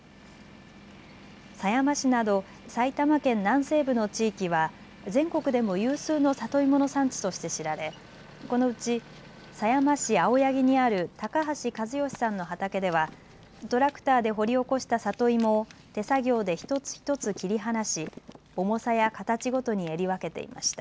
狭山市など埼玉県南西部の地域は全国でも有数の里芋の産地として知られ、このうち狭山市青柳にある高橋一善さんの畑ではトラクターで掘り起こした里芋を手作業で一つ一つ切り離し重さや形ごとにえり分けていました。